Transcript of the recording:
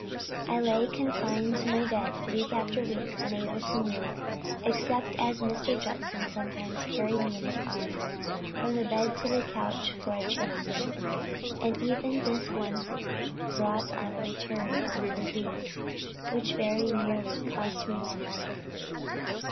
I lay confined to my bed, week after week, unable to move, except as Mr. Judson sometimes carried me in his arms from the bed to the couch for a change; and even this once brought on a return of the disease, which very nearly cost me my life.